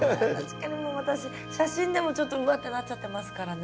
確かにもう私写真でもちょっとうわってなっちゃってますからね。